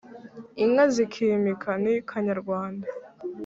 inka zikimika ni kanyarwanda.